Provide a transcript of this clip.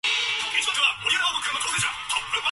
In July she was reinstated into the Central Committee.